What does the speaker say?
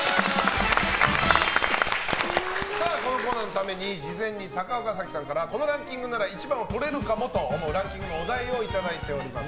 このコーナーのために事前に高岡早紀さんからこのランキングなら１番をとれるかもと思うランキングのお題をいただいております。